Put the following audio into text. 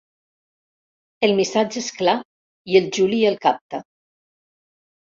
El missatge és clar i el Juli el capta.